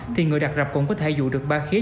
thì người đặt rạp cũng có thể dụ được ba khía